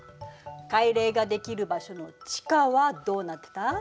海嶺ができる場所の地下はどうなってた？